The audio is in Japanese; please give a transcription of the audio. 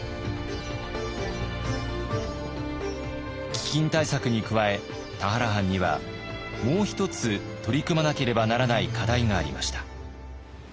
飢饉対策に加え田原藩にはもう一つ取り組まなければならない課題がありました。